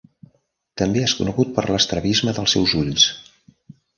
També és conegut per l'estrabisme dels seus ulls.